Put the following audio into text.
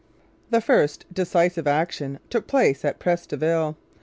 The first decisive action took place at Pres de Ville.